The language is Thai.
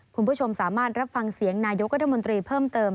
คุณผู้ชมสามารถรับฟังเสียงนายกรัฐมนตรีเพิ่มเติม